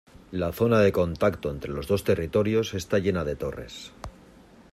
La zona de contacto entre los dos territorios está llena de torres.